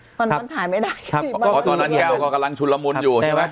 ตอนนั้นถ่ายไม่ได้ครับเพราะตอนนั้นแก้วก็กำลังชุนละมุนอยู่ใช่ไหม